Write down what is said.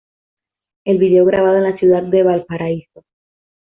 El vídeo grabado en la ciudad de Valparaíso.